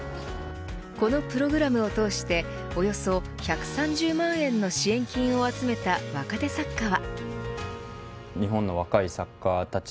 このプログラムを通しておよそ１３０万円の支援金を集めた若手作家は。